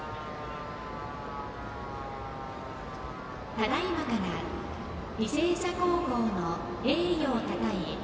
ただいまから履正社高校の栄誉をたたえ